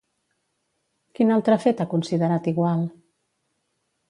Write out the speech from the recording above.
Quin altre fet ha considerat igual?